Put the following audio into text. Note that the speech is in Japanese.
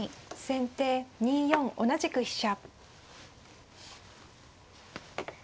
先手２四同じく飛車。